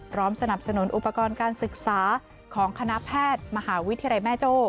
สนับสนุนอุปกรณ์การศึกษาของคณะแพทย์มหาวิทยาลัยแม่โจ้